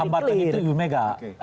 hambatan itu ibu mega